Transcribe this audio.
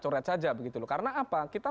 dicoret saja karena apa kita